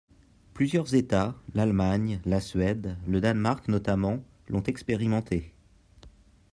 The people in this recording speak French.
Plusieurs États, l’Allemagne, la Suède, le Danemark notamment, l’ont expérimenté.